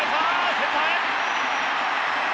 センターへ。